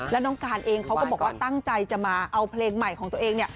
แล้วน้องการเองเขาก็บอกว่าตั้งใจจะมาเอาเพลงใหม่ของตัวเองเนี่ย